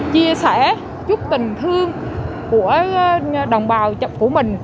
chia sẻ chút tình thương của đồng bào của mình